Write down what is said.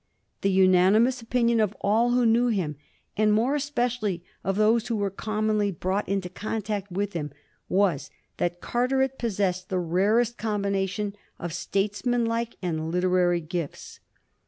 The unanimous opinion of all who knew him, and more especially of those who were commonly brought into contact with him, was that Carteret possessed the rarest combination of statesmanlike and literary gifts.